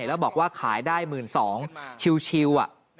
แล้วบอกว่าขายได้๑๒๐๐๐บาทชิวอ่ะ